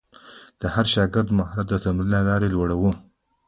د هر شاګرد مهارت د تمرین له لارې لوړاوه.